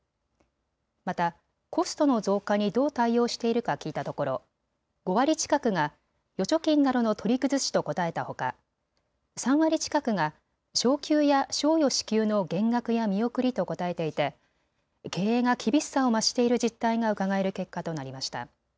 またコストの増加にどう対応しているか聞いたところ、５割近くが預貯金などの取り崩しと答えたほか、３割近くが昇給や賞与支給の減額や見送りと答えていて経営が厳しさを増している実態がうかがえる結果となりました。